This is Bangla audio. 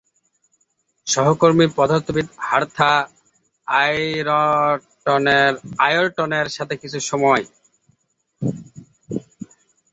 সহকর্মী পদার্থবিদ হারথা আয়রটনের সাথে কিছু সময়